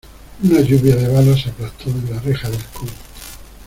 una lluvia de balas se aplastó en la reja del coro.